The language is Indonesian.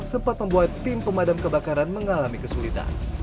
sempat membuat tim pemadam kebakaran mengalami kesulitan